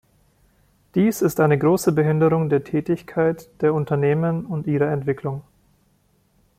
Dies ist eine große Behinderung der Tätigkeit der Unternehmen und ihrer Entwicklung.